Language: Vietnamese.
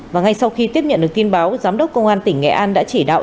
và ngay sau khi tiếp nhận được tin báo giám đốc công an tỉnh nghệ an đã chỉ đạo